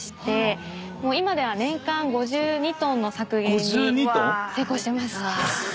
今では年間５２ｔの削減に成功してます。